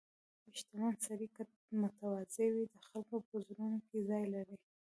• شتمن سړی که متواضع وي، د خلکو په زړونو کې ځای لري.